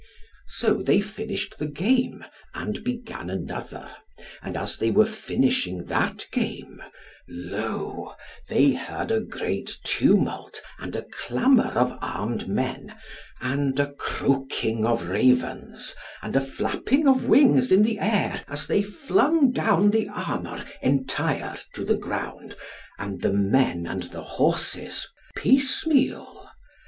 So they finished the game, and began another; and as they were finishing that game, lo, they heard a great tumult and a clamour of armed men, and a croaking of Ravens, and a flapping of wings in the air, as they flung down the armour entire to the ground, and the men and the horses piecemeal.